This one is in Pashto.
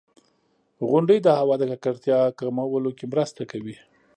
• غونډۍ د هوا د ککړتیا کمولو کې مرسته کوي.